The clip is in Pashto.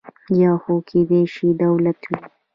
یا هم کېدای شي دولت وي.